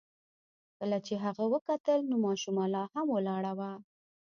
کله چې هغه وکتل نو ماشومه لا هم ولاړه وه.